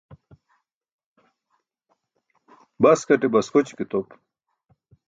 Baskate baskoći ke top.